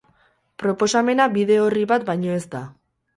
Proposamena bide orri bat baino ez da.